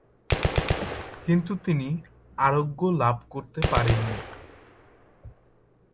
কিন্তু তিনি আরোগ্য লাভ করতে পারেন নি।